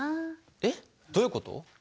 えっどういうこと？